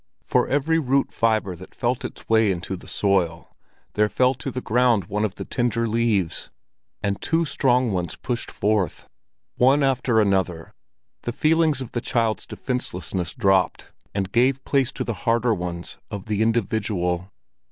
For every root fibre that felt its way into the soil, there fell to the ground one of the tender leaves, and two strong ones pushed forth. One after another the feelings of the child's defencelessness dropped and gave place to the harder ones of the individual.